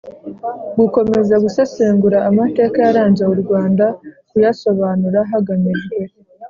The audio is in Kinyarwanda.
Gukomeza gusesengura amateka yaranze u rwanda kuyasobanura hagamijwe